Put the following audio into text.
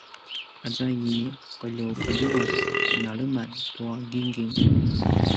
aza i qeljuqeljuan tinaleman tua gingin